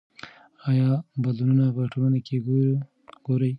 آیا بدلونونه په ټولنه کې ګورئ؟